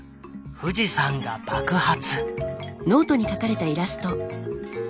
富士山が爆発！